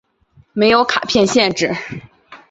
没有卡片限制。